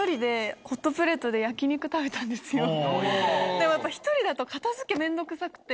でもやっぱり１人だと片付け面倒くさくて。